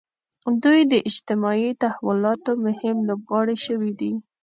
دوی د اجتماعي تحولاتو مهم لوبغاړي شوي دي.